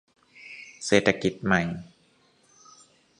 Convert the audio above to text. เศรษฐกิจใหม่